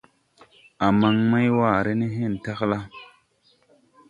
A man maywaare de hen tagla.